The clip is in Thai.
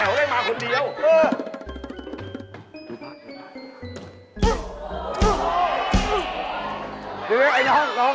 มันมาแถวได้มาคนเดียว